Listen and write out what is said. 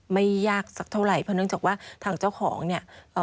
ไม่ยากสักเท่าไหร่เพราะเนื่องจากว่าทางเจ้าของเนี่ยเอ่อ